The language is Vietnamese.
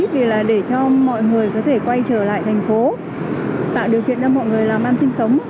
vì là để cho mọi người có thể quay trở lại thành phố tạo điều kiện cho mọi người làm ăn sinh sống